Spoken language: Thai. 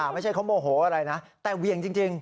ไม่ใช่เขาโมโหอะไรนะแต่เหวี่ยงจริง